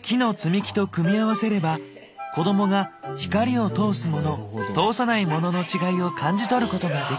木の積み木と組み合わせれば子どもが光を通すモノ通さないモノの違いを感じ取ることができる。